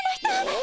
え！？